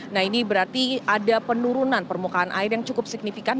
nah ini berarti ada penurunan permukaan air yang cukup signifikan